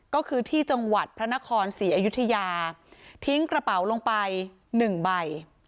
ก็คือที่จังหวัดพระนครศรีอยุธยาทิ้งกระเป๋าลงไป๑ใบ